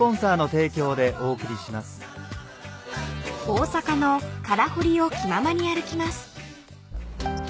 ［大阪の空堀を気ままに歩きます］